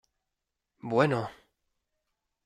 bueno...